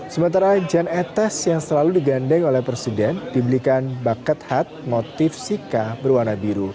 sementara jan etes yang selalu digandeng oleh presiden dibelikan baket hat motif sika berwarna biru